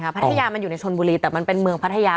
พัทยามันอยู่ในชนบุรีแต่มันเป็นเมืองพัทยา